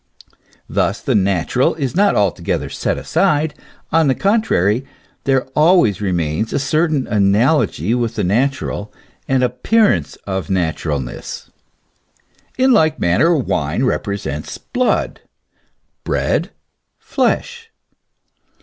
Thus the natural is not altogether set aside ; on the contrary, there always remains a certain analogy with the natural, an appearance of naturalness. In like manner wine represents blood; bread, flesh.